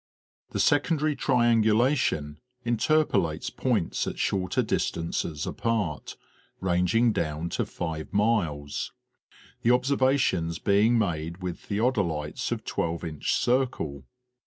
The secondary triangulation interpolates points at shorter dis tances apart ranging down to five miles, the observations being made with theodolites of 12 inch circle.